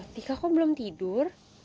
tika kok belum tidur